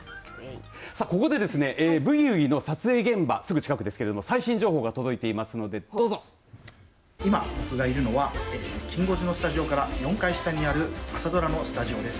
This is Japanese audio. ここでですねブギウギの撮影現場すぐ近くですけれど最新情報が届いていますので今、僕がいるのはきん５時のスタジオから４階下にある朝ドラのスタジオです。